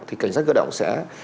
thì cảnh sát cơ động sẽ